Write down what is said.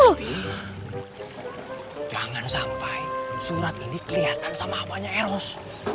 tapi jangan sampai surat ini kelihatan sama hawanya eros